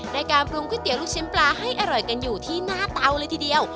การปรุงก๋วยเตี๋ยลูกชิ้นปลาให้อร่อยกันอยู่ที่หน้าเตาเลยทีเดียว